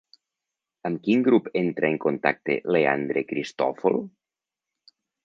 Amb quin grup entra en contacte Leandre Cristòfol?